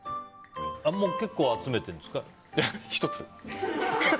もう結構、集めてるんですか？